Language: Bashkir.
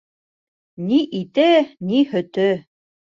Ни ите, ни һөтө.